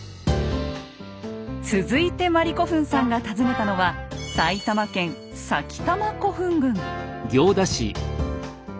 続いてまりこふんさんが訪ねたのは埼玉県「埼玉古墳群」。